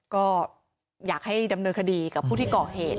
ก็อยากให้ดำเนินคดีกับผู้ที่ก่อเหตุ